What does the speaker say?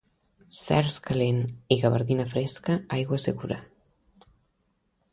Cerç calent i garbinada fresca, aigua segura.